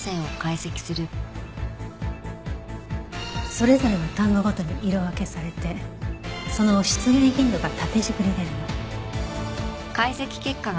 それぞれの単語ごとに色分けされてその出現頻度が縦軸に出るの。